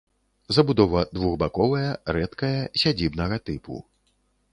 Забудова двухбаковая, рэдкая, сядзібнага тыпу.